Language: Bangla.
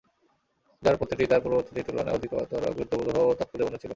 যার প্রতিটিই তার পূর্ববর্তীটির তুলনায় অধিকতর গুরুত্ববহ ও তাৎপর্যপূর্ণ ছিল।